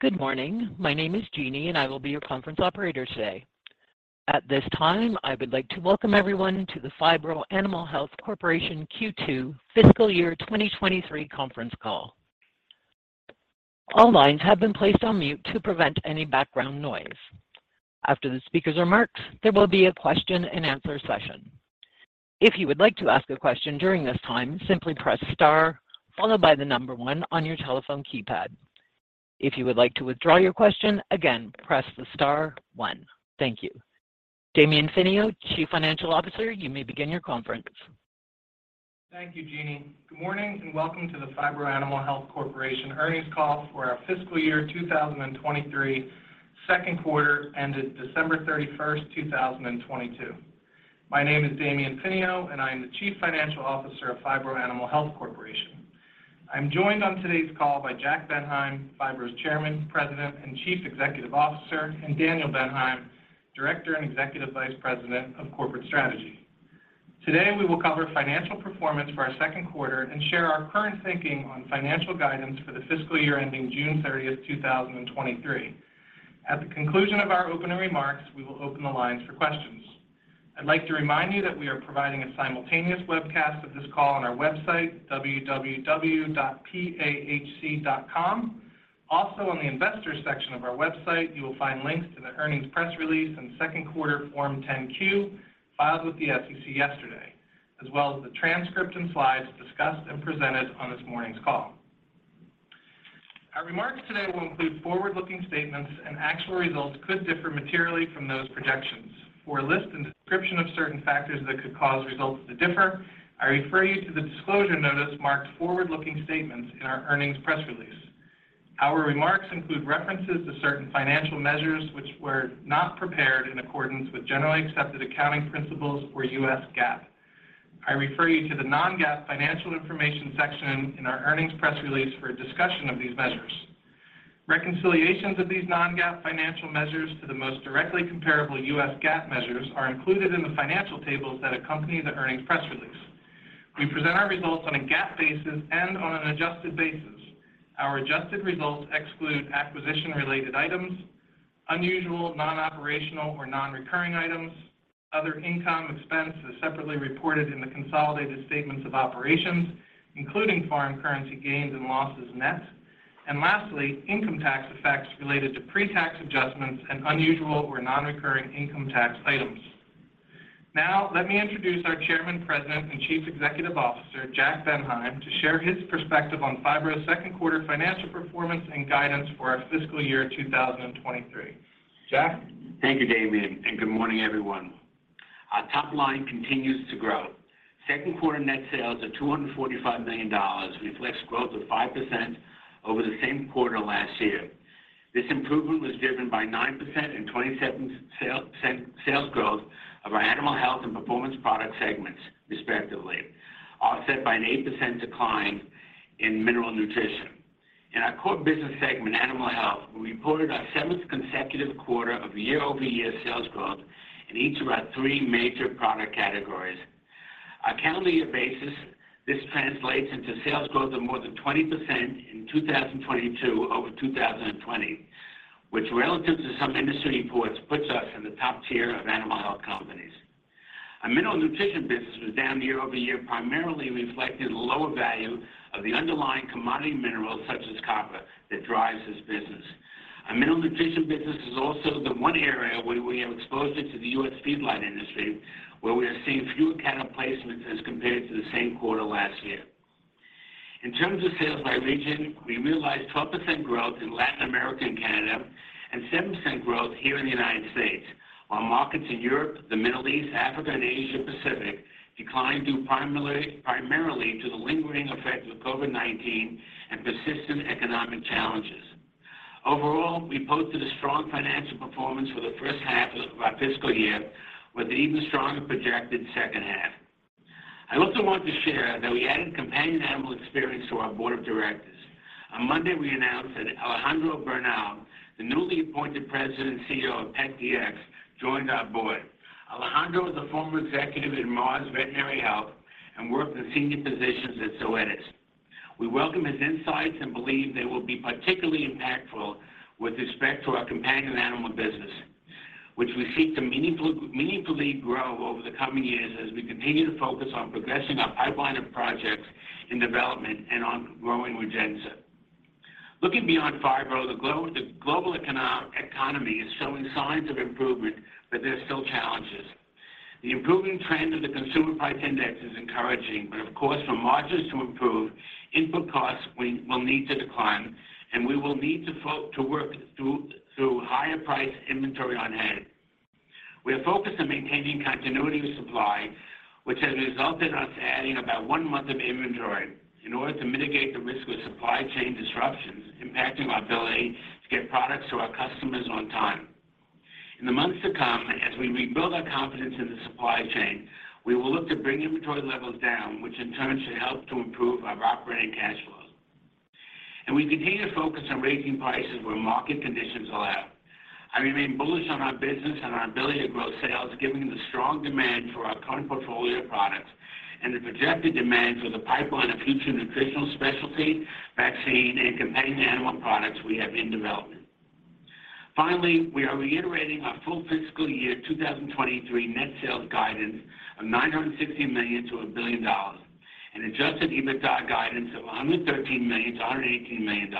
Good morning. My name is Jeannie, I will be your Conference operator today. At this time, I would like to welcome everyone to the Phibro Animal Health Corporation Q2 Fiscal Year 2023 conference call. All lines have been placed on mute to prevent any background noise. After the speaker's remarks, there will be a question and answer session. If you would like to ask a question during this time, simply press star one on your telephone keypad. If you would like to withdraw your question again press the star one. Thank you. Damion Finio, Chief Financial Officer, you may begin your conference. Thank you, Jeannie. Good morning, and welcome to the Phibro Animal Health Corporation earnings call for our fiscal year 2023 second quarter ended December 31st, 2022. My name is Damian Finio, and I am the Chief Financial Officer of Phibro Animal Health Corporation. I'm joined on today's call by Jack Bendheim, Phibro's Chairman, President, and Chief Executive Officer, and Daniel Bendheim, Director and Executive Vice President of Corporate Strategy. Today, we will cover financial performance for our second quarter and share our current thinking on financial guidance for the fiscal year ending June 30th, 2023. At the conclusion of our opening remarks, we will open the lines for questions. I'd like to remind you that we are providing a simultaneous webcast of this call on our website, www.pahc.com. On the investors section of our website, you will find links to the earnings press release and second quarter Form 10Q filed with the SEC yesterday, as well as the transcript and slides discussed and presented on this morning's call. Our remarks today will include forward looking statements and actual results could differ materially from those projections. For a list and description of certain factors that could cause results to differ, I refer you to the disclosure notice marked forward-looking statements in our earnings press release. Our remarks include references to certain financial measures which were not prepared in accordance with generally accepted accounting principles or US GAAP. I refer you to the non-GAAP financial information section in our earnings press release for a discussion of these measures. Reconciliations of these non-GAAP financial measures to the most directly comparable US GAAP measures are included in the financial tables that accompany the earnings press release. We present our results on a GAAP basis and on an adjusted basis. Our adjusted results exclude acquisition-related items, unusual non-operational or non-recurring items, other income expense as separately reported in the consolidated statements of operations, including foreign currency gains and losses net, and lastly, income tax effects related to pre-tax adjustments and unusual or non-recurring income tax items. Let me introduce our Chairman, President, and Chief Executive Officer, Jack Bendheim, to share his perspective on Phibro's second quarter financial performance and guidance for our fiscal year 2023. Jack? Thank you, Damian, and good morning, everyone. Our top line continues to grow. Second quarter net sales of $245 million reflects growth of 5% over the same quarter last year. This improvement was driven by 9% and 27% sales growth of our Animal Health and Performance Products segments, respectively, offset by an 8% decline in Mineral Nutrition. In our core business segment, Animal Health, we reported our seventh consecutive quarter of year-over-year sales growth in each of our three major product categories. On a calendar year basis, this translates into sales growth of more than 20% in 2022 over 2020, which relative to some industry reports puts us in the top tier of animal health companies. Our Mineral Nutrition business was down year over year, primarily reflecting the lower value of the underlying commodity minerals, such as copper, that drives this business. Our Mineral Nutrition business is also the one area where we have exposure to the U.S. feedlot industry, where we are seeing fewer cattle placements as compared to the same quarter last year. In terms of sales by region, we realized 12% growth in Latin America and Canada, and 7% growth here in the United States. Our markets in Europe, the Middle East, Africa, and Asia Pacific declined due primarily to the lingering effects of COVID-19 and persistent economic challenges. Overall, we posted a strong financial performance for the first half of our fiscal year with an even stronger projected second half. I also want to share that we added companion animal experience to our board of directors. On Monday, we announced that Alejandro Bernal, the newly appointed President and CEO of PetDx, joined our board. Alejandro is a former executive in Mars Veterinary Health and worked in senior positions at Zoetis. We welcome his insights and believe they will be particularly impactful with respect to our companion animal business, which we seek to meaningfully grow over the coming years as we continue to focus on progressing our pipeline of projects in development and on growing Regano. Looking beyond Phibro, the global economy is showing signs of improvement, but there are still challenges. The improving trend of the consumer price index is encouraging, but of course, for margins to improve, input costs will need to decline, and we will need to work through higher-priced inventory on hand. We are focused on maintaining continuity of supply, which has resulted in us adding about one month of inventory in order to mitigate the risk of supply chain disruptions impacting our ability to get products to our customers on time. In the months to come, as we rebuild our confidence in the supply chain, we will look to bring inventory levels down, which in turn should help to improve our operating cash flow. We continue to focus on raising prices where market conditions allow. I remain bullish on our business and our ability to grow sales, given the strong demand for our current portfolio of products and the projected demand for the pipeline of future nutritional specialty, vaccine, and companion animal products we have in development. Finally, we are reiterating our full fiscal year 2023 net sales guidance of $960 million-$1 billion, an adjusted EBITDA guidance of $113 million-$118 million.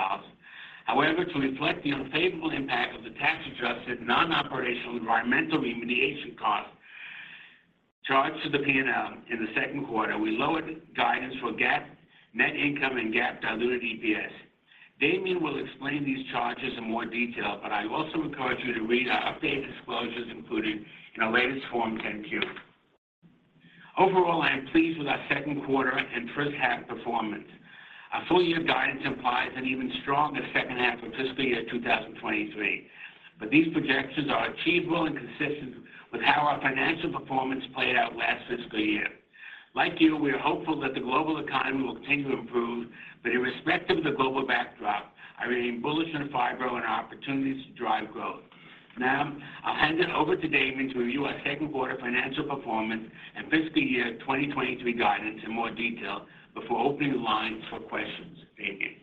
However, to reflect the unfavorable impact of the tax-adjusted, non operational environmental remediation costs charged to the P&L in the second quarter, we lowered guidance for GAAP net income and GAAP diluted EPS. Damian will explain these charges in more detail. I also encourage you to read our updated disclosures included in our latest Form 10Q. Overall, I am pleased with our second quarter and first half performance. Our guidance implies an even stronger second half of fiscal year 2023. These projections are achievable and consistent with how our financial performance played out last fiscal year. Like you, we are hopeful that the global economy will continue to improve. Irrespective of the global backdrop, I remain bullish on Phibro and our opportunities to drive growth. I'll hand it over to Damian to review our second quarter financial performance and fiscal year 2023 guidance in more detail before opening the line for questions. Damian.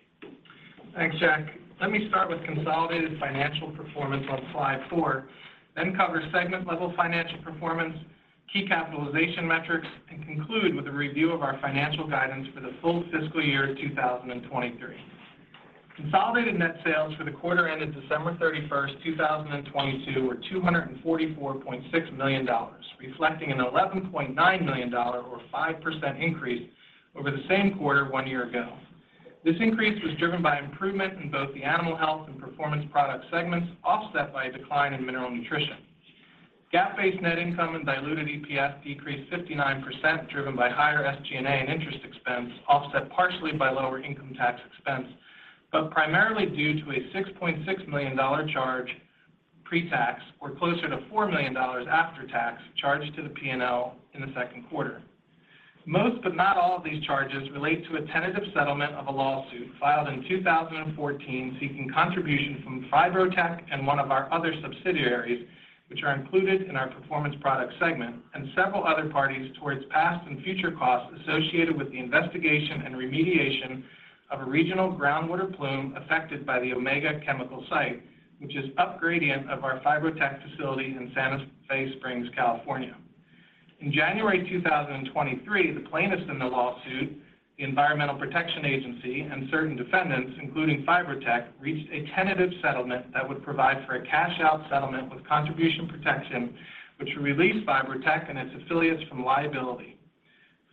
Thanks, Jack. Let me start with consolidated financial performance on slide four, then cover segment-level financial performance, key capitalization metrics, and conclude with a review of our financial guidance for the full fiscal year 2023. Consolidated net sales for the quarter ended December 31st, 2022 were $244.6 million, reflecting an $11.9 million or 5% increase over the same quarter one year ago. This increase was driven by improvement in both the Animal Health and Performance Products segments, offset by a decline in Mineral Nutrition. GAAP-based net income and diluted EPS decreased 59%, driven by higher SG&A and interest expense, offset partially by lower income tax expense, primarily due to a $6.6 million charge pre-tax or closer to $4 million after tax charged to the P&L in the second quarter. Most, but not all of these charges relate to a tentative settlement of a lawsuit filed in 2014 seeking contribution from Phibro-Tech and one of our other subsidiaries, which are included in our Performance Products segment and several other parties towards past and future costs associated with the investigation and remediation of a regional groundwater plume affected by the Omega Chemical Site, which is upgradient of our Phibro-Tech facility in Santa Fe Springs, California. In January 2023, the plaintiffs in the lawsuit, the Environmental Protection Agency, and certain defendants, including Phibro-Tech, Inc., reached a tentative settlement that would provide for a cash-out settlement with contribution protection, which would release Phibro-Tech, Inc. and its affiliates from liability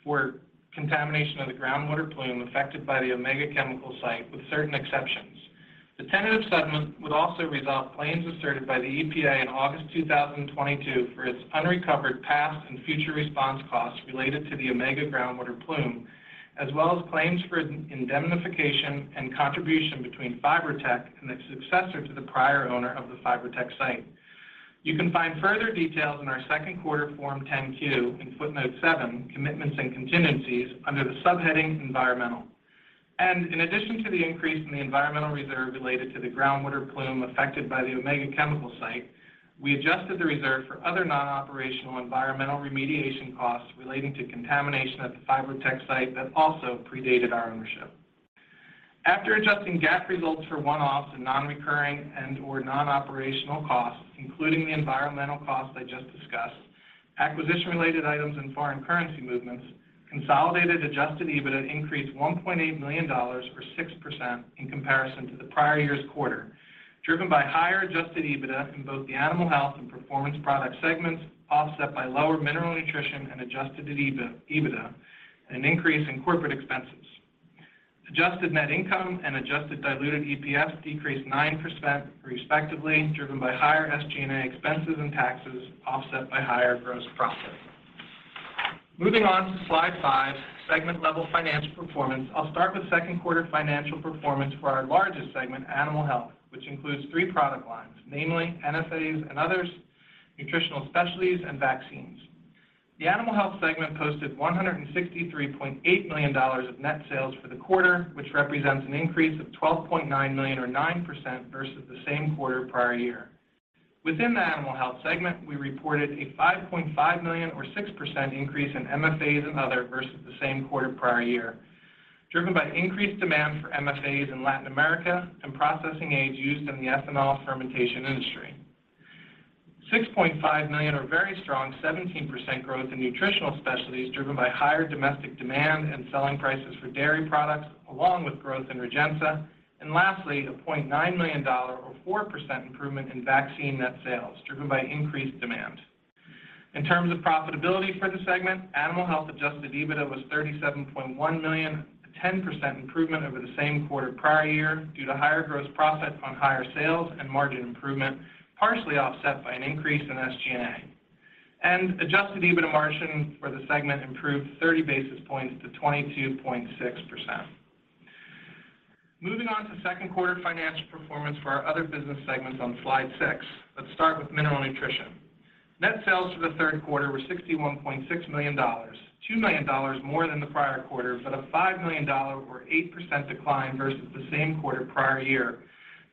for contamination of the groundwater plume affected by the Omega Chemical Site, with certain exceptions. The tentative settlement would also resolve claims asserted by the EPA in August 2022 for its unrecovered past and future response costs related to the Omega groundwater plume, as well as claims for indemnification and contribution between Phibro-Tech, Inc. and the successor to the prior owner of the Phibro-Tech, Inc. site. You can find further details in our second quarter Form 10Q in footnote seven, Commitments and Contingencies, under the subheading Environmental. In addition to the increase in the environmental reserve related to the groundwater plume affected by the Omega Chemical Site, we adjusted the reserve for other non-operational environmental remediation costs relating to contamination at the Phibro-Tech site that also predated our ownership. After adjusting GAAP results for one-offs and non-recurring and/or non operational costs, including the environmental costs I just discussed, acquisition-related items and foreign currency movements, consolidated adjusted EBITDA increased $1.8 million or 6% in comparison to the prior year's quarter, driven by higher adjusted EBITDA in both the Animal Health and Performance Products segments, offset by lower Mineral Nutrition and adjusted EBITDA and an increase in corporate expenses. Adjusted net income and adjusted diluted EPS decreased 9% respectively, driven by higher SG&A expenses and taxes offset by higher gross profit. Moving on to slide 5, segment-level financial performance. I'll start with second quarter financial performance for our largest segment, Animal Health, which includes three product lines, namely MFAs and others, nutritional specialties, and vaccines. The Animal Health segment posted $163.8 million of net sales for the quarter, which represents an increase of $12.9 million or 9% versus the same quarter prior year. Within the Animal Health segment, we reported a $5.5 million or 6% increase in MFAs and other versus the same quarter prior year, driven by increased demand for MFAs in Latin America and processing aids used in the ethanol fermentation industry. $6.5 million or very strong 17% growth in nutritional specialties driven by higher domestic demand and selling prices for dairy products along with growth in Regano. Lastly, a $0.9 million or 4% improvement in vaccine net sales driven by increased demand. In terms of profitability for the segment, Animal Health adjusted EBITDA was $37.1 million, a 10% improvement over the same quarter prior year due to higher gross profit on higher sales and margin improvement, partially offset by an increase in SG&A. Adjusted EBITDA margin for the segment improved 30 basis points to 22.6%. Moving on to second quarter financial performance for our other business segments on slide six. Let's start with Mineral Nutrition. Net sales for the third quarter were $61.6 million, $2 million more than the prior quarter, but a $5 million or 8% decline versus the same quarter prior year,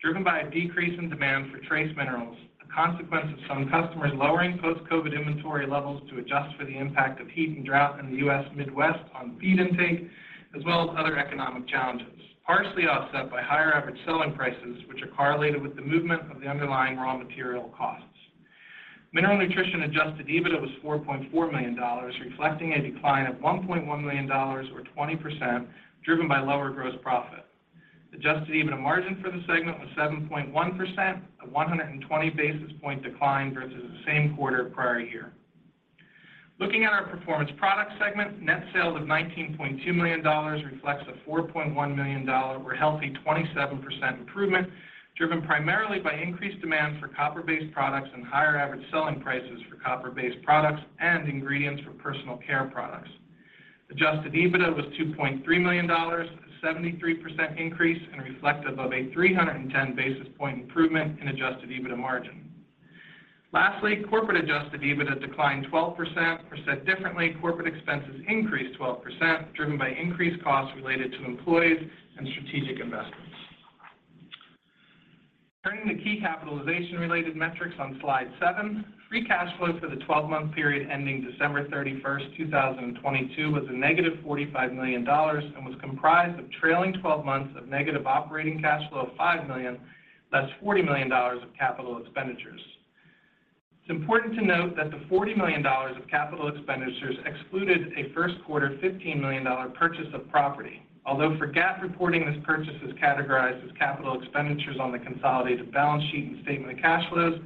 driven by a decrease in demand for trace minerals, a consequence of some customers lowering post-COVID inventory levels to adjust for the impact of heat and drought in the U.S. Midwest on feed intake, as well as other economic challenges, partially offset by higher average selling prices, which are correlated with the movement of the underlying raw material costs. Mineral Nutrition adjusted EBITDA was $4.4 million, reflecting a decline of $1.1 million or 20% driven by lower gross profit. Adjusted EBITDA margin for the segment was 7.1%, a 120 basis point decline versus the same quarter prior year. Looking at our Performance Products segment, net sales of $19.2 million reflects a $4.1 million or healthy 27% improvement, driven primarily by increased demand for copper-based products and higher average selling prices for copper-based products and ingredients for personal care products. Adjusted EBITDA was $2.3 million, a 73% increase and reflective of a 310 basis point improvement in Adjusted EBITDA margin. Lastly, corporate Adjusted EBITDA declined 12% or said differently, corporate expenses increased 12% driven by increased costs related to employees and strategic investments. Turning to key capitalization related metrics on slide seven, free cash flow for the 12 month period ending December 31st, 2022 was a negative $45 million and was comprised of trailing 12 months of negative operating cash flow of $5 million less $40 million of capital expenditures. It's important to note that the $40 million of capital expenditures excluded a first quarter $15 million purchase of property. Although for GAAP reporting, this purchase is categorized as capital expenditures on the consolidated balance sheet and statement of cash flows,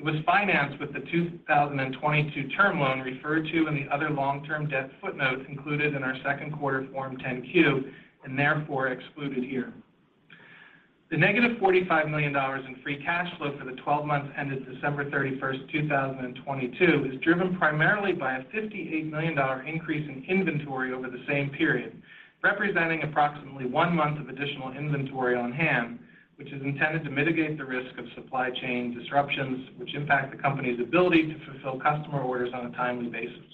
it was financed with the 2022 term loan referred to in the other long term debt footnotes included in our second quarter Form 10Q and therefore excluded here. The negative $45 million in free cash flow for the 12 months ended December 31st, 2022, is driven primarily by a $58 million increase in inventory over the same period, representing approximately one month of additional inventory on hand, which is intended to mitigate the risk of supply chain disruptions which impact the company's ability to fulfill customer orders on a timely basis.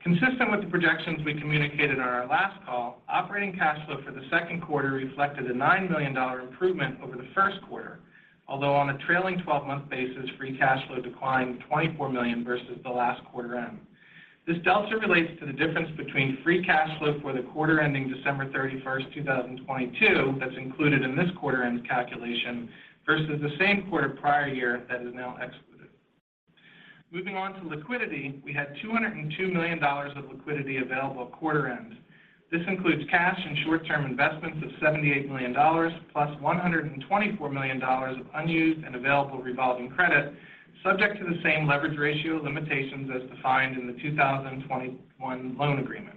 Consistent with the projections we communicated on our last call, operating cash flow for the second quarter reflected a $9 million improvement over the first quarter. Although on a trailing 12 month basis, free cash flow declined $24 million versus the last quarter end. This delta relates to the difference between free cash flow for the quarter ending December 31st, 2022, that's included in this quarter end calculation versus the same quarter prior year that is now excluded. Moving on to liquidity, we had $202 million of liquidity available at quarter end. This includes cash and short term investments of $78 million plus $124 million of unused and available revolving credit subject to the same leverage ratio limitations as defined in the 2021 loan agreement.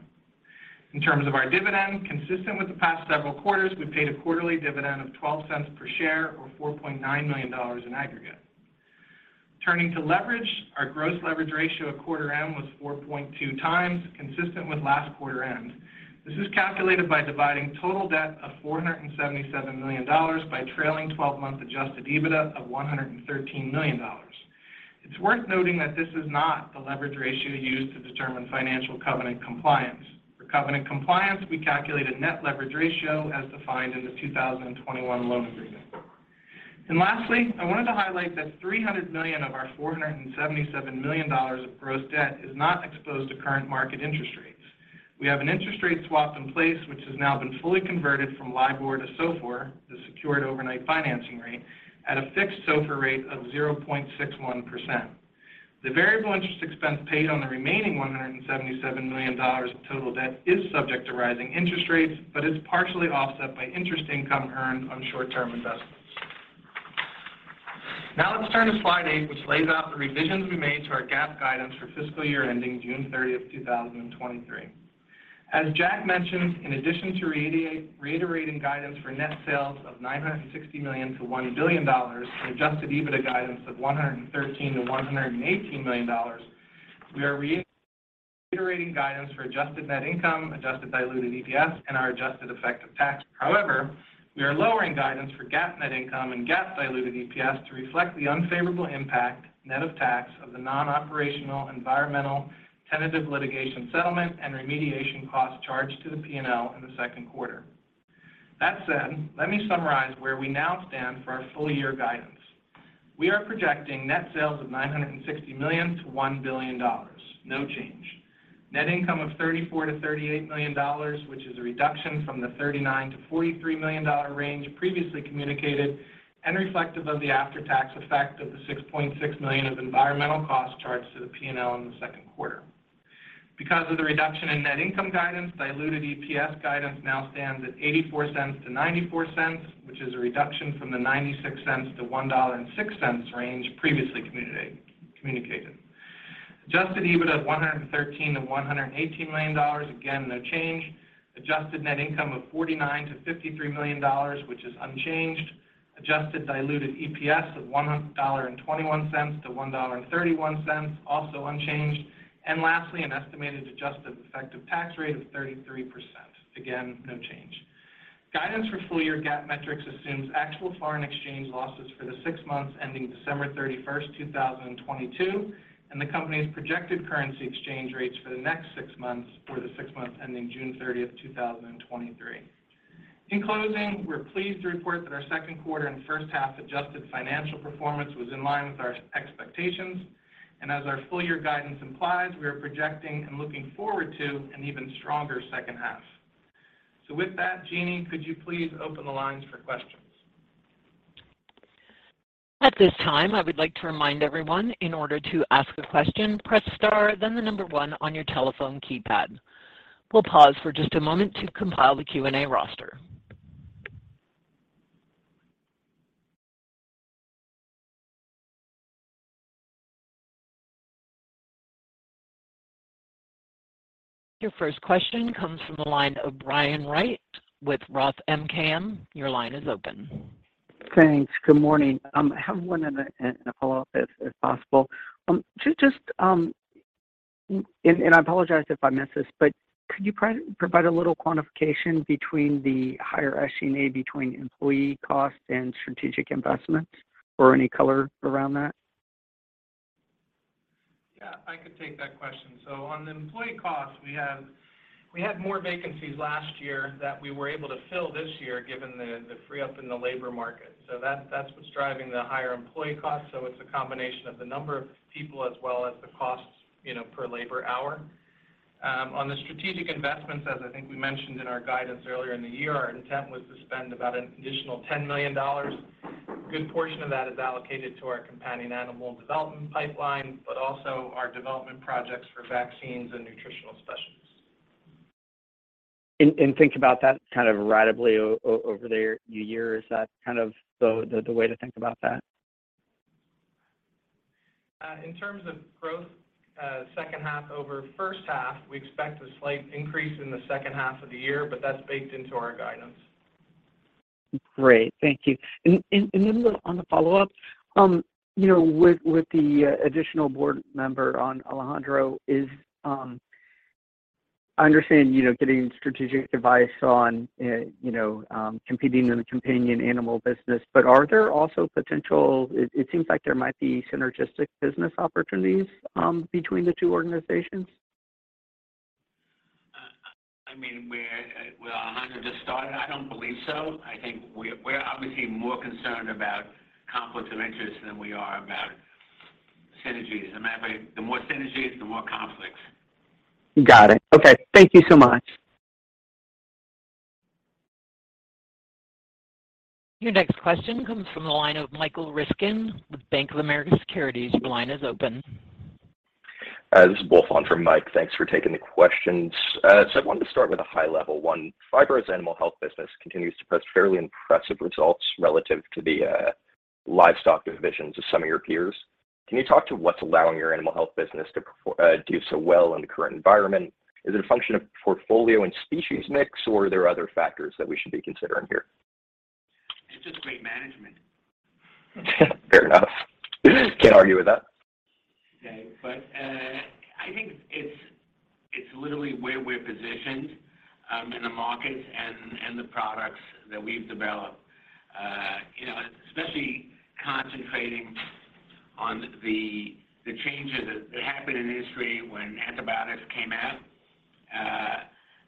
In terms of our dividend, consistent with the past several quarters, we paid a quarterly dividend of $0.12 per share or $4.9 million in aggregate. Turning to leverage, our gross leverage ratio at quarter end was 4.2x consistent with last quarter end. This is calculated by dividing total debt of $477 million by trailing 12 month adjusted EBITDA of $113 million. It's worth noting that this is not the leverage ratio used to determine financial covenant compliance. For covenant compliance, we calculate a net leverage ratio as defined in the 2021 loan agreement. Lastly, I wanted to highlight that $300 million of our $477 million of gross debt is not exposed to current market interest rates. We have an interest rate swap in place which has now been fully converted from LIBOR to SOFR, the Secured Overnight Financing Rate, at a fixed SOFR rate of 0.61%. The variable interest expense paid on the remaining $177 million of total debt is subject to rising interest rates, but is partially offset by interest income earned on short-term investments. Let's turn to slide eight, which lays out the revisions we made to our GAAP guidance for fiscal year ending June 30, 2023. As Jack mentioned, in addition to reiterating guidance for net sales of $960 million-$1 billion and adjusted EBITDA guidance of $113 million-$118 million, we are reiterating guidance for adjusted net income, adjusted diluted EPS, and our adjusted effective tax. We are lowering guidance for GAAP net income and GAAP diluted EPS to reflect the unfavorable impact, net of tax, of the non-operational environmental tentative litigation settlement and remediation costs charged to the P&L in the second quarter. Let me summarize where we now stand for our full year guidance. We are projecting net sales of $960 million-$1 billion, no change. Net income of $34 million-$38 million, which is a reduction from the $39 million-$43 million range previously communicated and reflective of the after tax effect of the $6.6 million of environmental costs charged to the P&L in the second quarter. Because of the reduction in net income guidance, diluted EPS guidance now stands at $0.84-$0.94, which is a reduction from the $0.96-$1.06 range previously communicated. adjusted EBITDA of $113 million-$118 million, again, no change. Adjusted net income of $49 million-$53 million, which is unchanged. Adjusted diluted EPS of $1.21-$1.31, also unchanged. Lastly, an estimated adjusted effective tax rate of 33%. Again, no change. Guidance for full year GAAP metrics assumes actual foreign exchange losses for the six months ending December 31st, 2022, and the company's projected currency exchange rates for the next six months for the six months ending June 30th, 2023. In closing, we're pleased to report that our second quarter and first half adjusted financial performance was in line with our expectations. As our full year guidance implies, we are projecting and looking forward to an even stronger second half. With that, Jeannie, could you please open the lines for questions? At this time, I would like to remind everyone, in order to ask a question, press star then the number one on your telephone keypad. We'll pause for just a moment to compile the Q&A roster. Your first question comes from the line of Brian Wright with Roth MKM. Your line is open. Thanks. Good morning. I have one and a follow up if possible. Just, and I apologize if I missed this, but could you provide a little quantification between the higher SG&A between employee costs and strategic investments or any color around that? Yeah, I could take that question. On the employee cost, we had more vacancies last year that we were able to fill this year given the free up in the labor market. That's what's driving the higher employee cost. It's a combination of the number of people as well as the costs, you know, per labor hour. On the strategic investments, as I think we mentioned in our guidance earlier in the year, our intent was to spend about an additional $10 million. A good portion of that is allocated to our companion animal development pipeline, but also our development projects for vaccines and nutritional specialties. And think about that kind of ratably over the year. Is that kind of the way to think about that? In terms of growth, second half over first half, we expect a slight increase in the second half of the year, but that's baked into our guidance. Great. Thank you. On the follow up, you know, with the additional board member on Alejandro, is, I understand, you know, getting strategic advice on, you know, competing in the companion animal business, but are there also potential. It seems like there might be synergistic business opportunities, between the two organizations. I mean, we're, well, Alejandro just started. I don't believe so. I think we're obviously more concerned about conflicts of interest than we are about synergies. As a matter of fact, the more synergies, the more conflicts. Got it. Okay. Thank you so much. Your next question comes from the line of Michael Ryskin with Bank of America Securities. Your line is open. This is both on for Mike. Thanks for taking the questions. I wanted to start with a high level one. Phibro's Animal Health business continues to post fairly impressive results relative to the livestock division to some of your peers. Can you talk to what's allowing your Animal Health business to perform do so well in the current environment? Is it a function of portfolio and species mix, or are there other factors that we should be considering here? It's just great management. Fair enough. Can't argue with that. Okay. I think it's literally where we're positioned in the market and the products that we've developed. You know, especially concentrating on the changes that happened in the industry when antibiotics came out.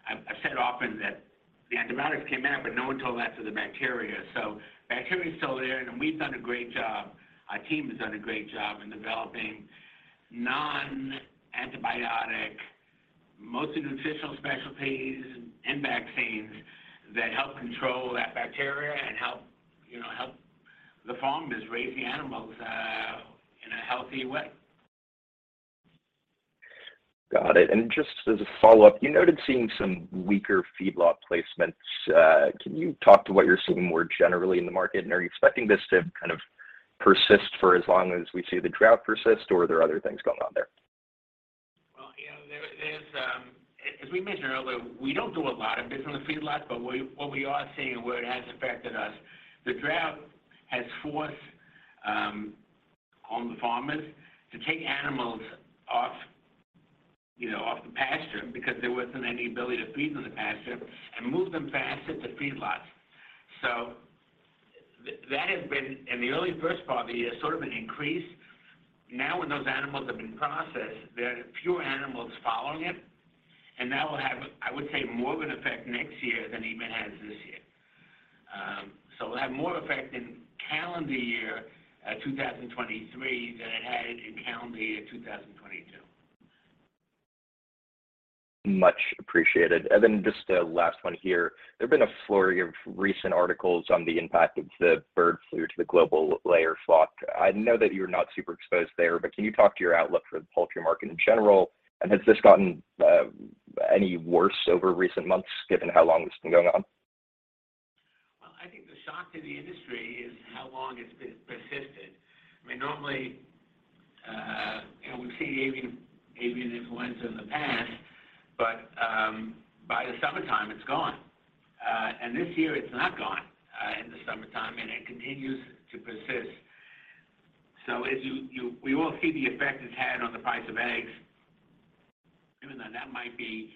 I've said often that the antibiotics came out, but no one told that to the bacteria. Bacteria is still there, and we've done a great job. Our team has done a great job in developing non-antibiotic, mostly nutritional specialties and vaccines that help control that bacteria and help, you know, help the farmers raise the animals in a healthy way. Got it. Just as a follow up, you noted seeing some weaker feedlot placements. Can you talk to what you're seeing more generally in the market? Are you expecting this to kind of persist for as long as we see the drought persist, or are there other things going on there? Well, you know, there's, as we mentioned earlier, we don't do a lot of business in the feedlot, but what we are seeing and where it has affected us, the drought has forced the farmers to take animals off, you know, off the pasture because there wasn't any ability to feed them in the pasture and move them faster to feedlots. That has been, in the early first part of the year, sort of an increase. Now that those animals have been processed, there are fewer animals following it, and that will have, I would say, more of an effect next year than even it has this year. It'll have more effect in calendar year 2023 than it had in calendar year 2022. Much appreciated. Just a last one here. There've been a flurry of recent articles on the impact of the bird flu to the global layer flock. I know that you're not super exposed there, but can you talk to your outlook for the poultry market in general? Has this gotten any worse over recent months given how long this has been going on? Well, I think the shock to the industry is how long it's persisted. I mean, normally, you know, we've seen avian influenza in the past, but by the summertime, it's gone. This year it's not gone. Continues to persist. As we all see the effect it's had on the price of eggs, even though that might be,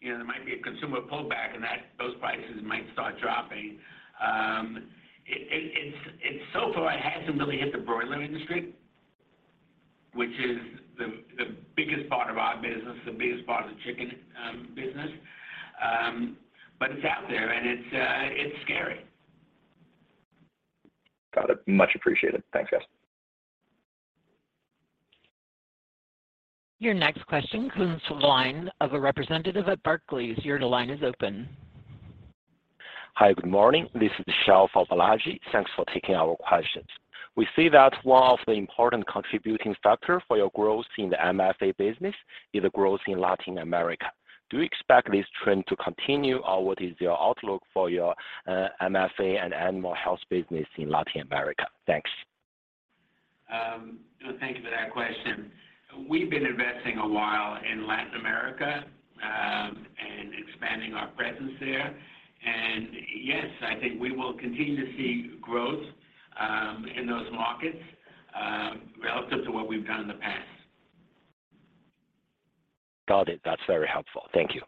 you know, there might be a consumer pullback and that those prices might start dropping. So far it hasn't really hit the broiler industry, which is the biggest part of our business, the biggest part of the chicken business. It's out there and it's scary. Got it. Much appreciated. Thanks, guys. Your next question comes to the line of a representative at Barclays. Your line is open. Hi. Good morning. This is Bishal. Thanks for taking our questions. We see that one of the important contributing factor for your growth in the MFA business is a growth in Latin America. Do you expect this trend to continue, or what is your outlook for your MFA and Animal Health business in Latin America? Thanks. Thank you for that question. We've been investing a while in Latin America and expanding our presence there. Yes, I think we will continue to see growth in those markets relative to what we've done in the past. Got it. That's very helpful. Thank you.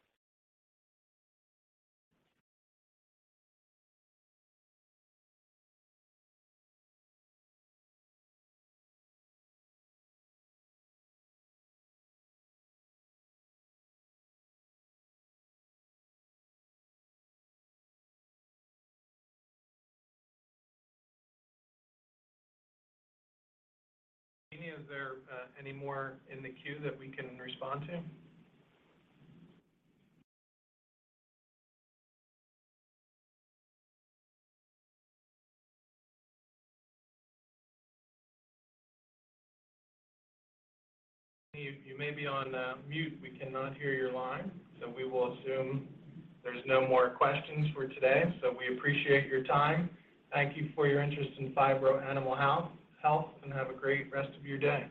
Jeannie, is there any more in the queue that we can respond to? You may be on mute. We cannot hear your line. We will assume there's no more questions for today. We appreciate your time. Thank you for your interest in Phibro Animal Health, and have a great rest of your day.